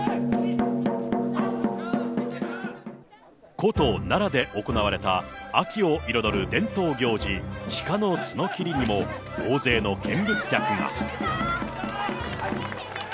古都奈良で行われた秋を彩る伝統行事、鹿の角きりにも、大勢の見物客が。